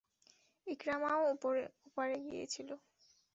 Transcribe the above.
ইকরামাও ওপারে গিয়েছিল।